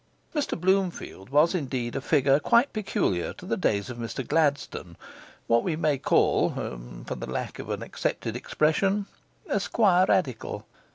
Mr Bloomfield was indeed a figure quite peculiar to the days of Mr Gladstone; what we may call (for the lack of an accepted expression) a Squirradical.